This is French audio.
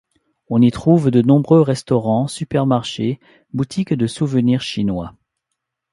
On y trouve de nombreux restaurants, supermarchés, boutiques de souvenirs chinois.